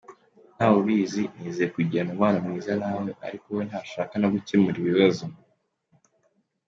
Ntawe ubizi, nizeye kugirana umubano mwiza nawe, ariko we ntashaka no gukemura ikibazo.